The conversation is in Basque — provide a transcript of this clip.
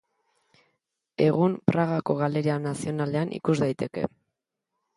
Egun Pragako Galeria Nazionalean ikus daiteke.